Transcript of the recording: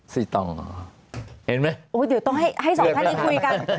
เดี๋ยวต้องให้สองท่านนี้คุยกัน